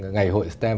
ngày hội stem